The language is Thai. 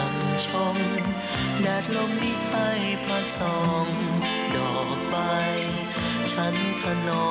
คู่รัก